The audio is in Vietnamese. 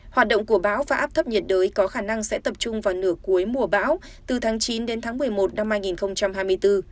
hoạt động của bão và áp thấp nhiệt đới có khả năng sẽ tập trung vào nửa cuối mùa bão từ tháng chín đến tháng một mươi một năm hai nghìn hai mươi bốn